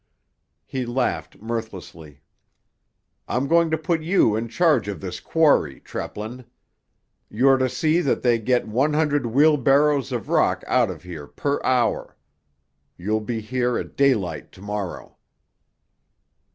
He laughed mirthlessly. "I'm going to put you in charge of this quarry, Treplin. You're to see that they get one hundred wheelbarrows of rock out of here per hour. You'll be here at daylight to morrow."